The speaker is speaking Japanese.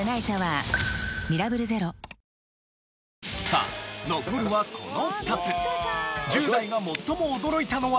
さあ残るはこの２つ。